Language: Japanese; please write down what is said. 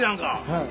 はい。